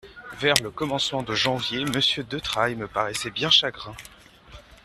Vers le commencement de janvier, monsieur de Trailles me paraissait bien chagrin.